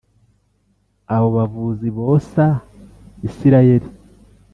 abo bavuzi bosa Isirayeli